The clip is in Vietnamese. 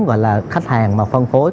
gọi là khách hàng mà phân phối